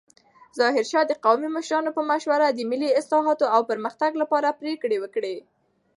ظاهرشاه د قومي مشرانو په مشوره د ملي اصلاحاتو او پرمختګ لپاره پریکړې وکړې.